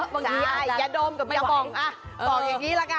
ใช่ยานะดมก็ไม่ไหวอ้ะออกแบบนี้ละกัน